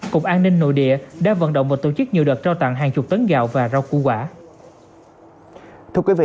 cục an ninh nội địa đã vận động và tổ chức nhiều đợt trao tặng hàng chục tấn gạo và rau củ quả